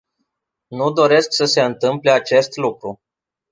Nu doresc să se întâmple acest lucru.